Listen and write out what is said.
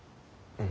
うん。